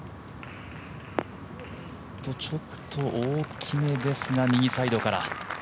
ちょっと大きめですが右サイドから。